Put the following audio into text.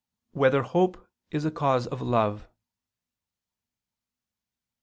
7] Whether Hope Is a Cause of Love?